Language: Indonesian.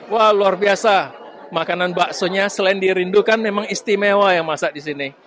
wah luar biasa makanan baksonya selain dirindukan memang istimewa yang masak di sini